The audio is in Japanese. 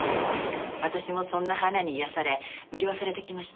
私もそんな花に癒やされ魅了されてきました。